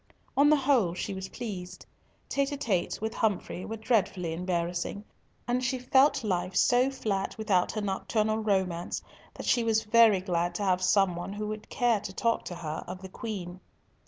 On the whole, she was pleased. Tete a tetes with Humfrey were dreadfully embarrassing, and she felt life so flat without her nocturnal romance that she was very glad to have some one who would care to talk to her of the Queen.